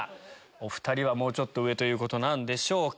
お２人はもうちょっと上ということなんでしょうか。